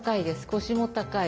腰も高い。